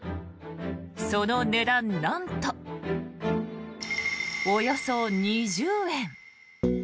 その値段、なんとおよそ２０円。